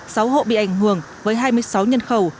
sáu hộ bị ảnh hưởng với hai mươi sáu nhân khẩu